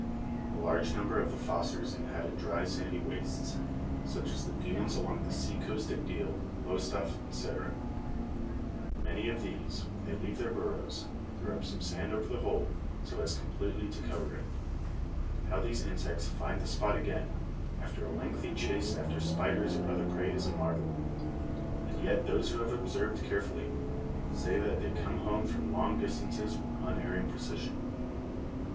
A large number of the fossors inhabit dry sandy wastes, such as the dunes along the sea coast at Deal, Lowestoft, etc.; many of these, when they leave their burrows, throw up some sand over the hole so as completely to cover it; how these insects find the spot again after a lengthy chase after spiders or other prey is a marvel; and yet those who have observed carefully say that they come home from long distances with unerring precision.